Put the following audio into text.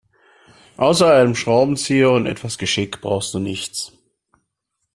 Außer einem Schraubenzieher und etwas Geschick brauchst du nichts.